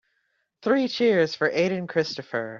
Three cheers for Aden Christopher.